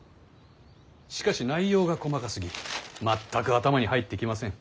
しかし内容が細かすぎ全く頭に入ってきません。